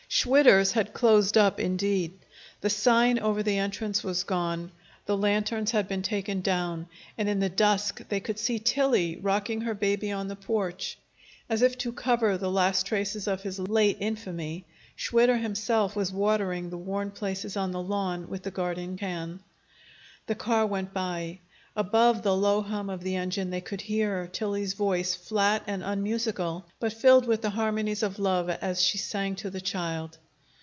Schwitter's had closed up, indeed. The sign over the entrance was gone. The lanterns had been taken down, and in the dusk they could see Tillie rocking her baby on the porch. As if to cover the last traces of his late infamy, Schwitter himself was watering the worn places on the lawn with the garden can. The car went by. Above the low hum of the engine they could hear Tillie's voice, flat and unmusical, but filled with the harmonies of love as she sang to the child.